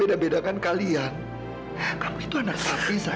kamila mau pasiin kamu kamila masih ada